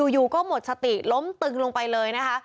อยู่ก็หมดสติล้มตึงลงไปเลยนะคะ